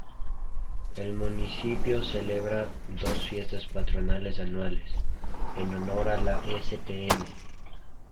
El municipio celebra dos fiestas patronales anuales, en honor a la Stm.